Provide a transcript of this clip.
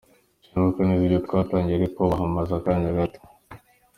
Sinibuka neza ibyo twaganiriye ariko bahamaze akanya gato.